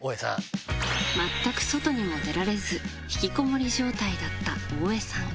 全く外にも出られず引きこもり状態だった大江さん。